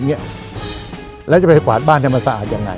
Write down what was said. เราจะไปกวาดบ้านทำมาสะอาดอย่างไร